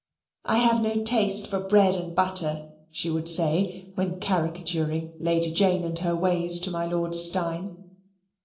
"I have no taste for bread and butter," she would say, when caricaturing Lady Jane and her ways to my Lord Steyne.